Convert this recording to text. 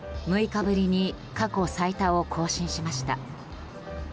６日ぶりに過去最多を更新しました。